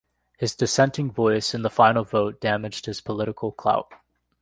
His dissenting voice in the final vote damaged his political clout.